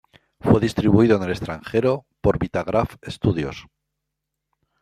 Fue distribuido en el extranjero por Vitagraph Estudios.